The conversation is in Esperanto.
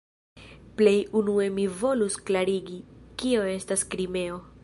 Plej unue mi volus klarigi, kio estas "Krimeo".